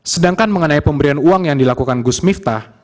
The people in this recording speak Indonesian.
sedangkan mengenai pemberian uang yang dilakukan gus miftah